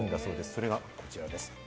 それがこちらです。